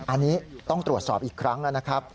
อันนี้ต้องตรวจสอบอีกครั้งนะครับ